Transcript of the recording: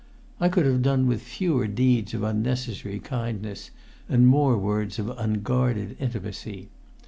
I could have done with fewer deeds of unnecessary kindness and more words of unguarded intimacy.